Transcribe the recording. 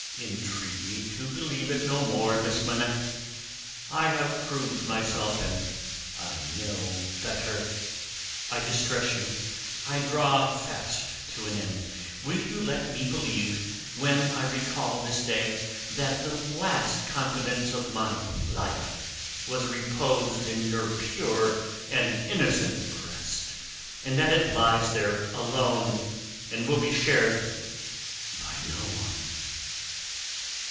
"Entreat me to believe it no more, Miss Manette. I have proved myself, and I know better. I distress you; I draw fast to an end. Will you let me believe, when I recall this day, that the last confidence of my life was reposed in your pure and innocent breast, and that it lies there alone, and will be shared by no one?"